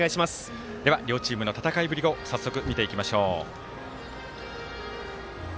両チームの戦いぶりを早速、見ていきましょう。